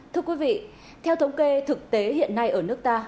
thưa quý vị theo thống kê thực tế hiện nay ở nước ta